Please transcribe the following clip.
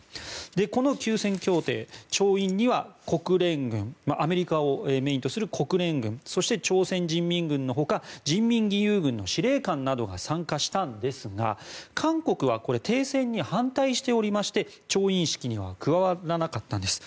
この休戦協定、調印にはアメリカをメインとする国連軍そして朝鮮人民軍の他人民義勇軍の司令官などが参加したんですが韓国は停戦に反対しておりまして調印式には加わらなかったんです。